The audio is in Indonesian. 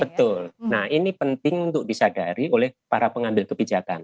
betul nah ini penting untuk disadari oleh para pengambil kebijakan